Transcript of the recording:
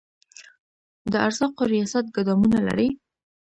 د ارزاقو ریاست ګدامونه لري؟